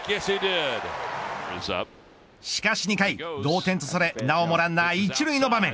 しかし２回、同点とされなおもランナー１塁の場面。